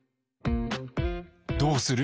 どうする？